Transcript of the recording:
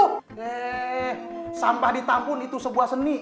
hei sampah ditampun itu sebuah seni